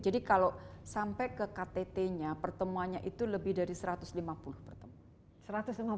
jadi kalau sampai ke ktt nya pertemuannya itu lebih dari satu ratus lima puluh pertemuan